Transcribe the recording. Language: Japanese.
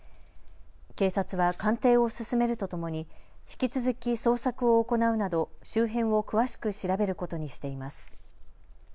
警察は鑑定を進めるとともに引き続き捜索を行うなど周辺を詳しく調べることにしています。